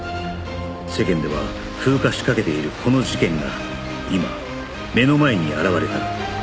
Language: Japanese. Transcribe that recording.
世間では風化しかけているこの事件が今目の前に現れた